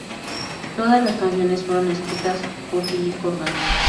Todas las canciones fueron escritas por Billy Corgan.